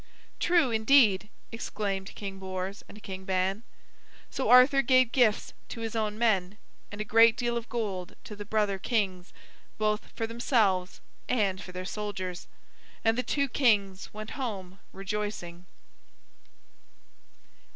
"True, indeed!" exclaimed King Bors and King Ban. So Arthur gave gifts to his own men; and a great deal of gold to the brother kings, both for themselves and for their soldiers. And the two kings went home rejoicing.